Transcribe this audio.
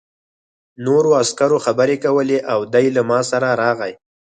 نورو عسکرو خبرې کولې او دی له ما سره راغی